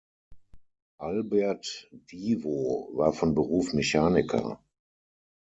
Albert Divo war von Beruf Mechaniker.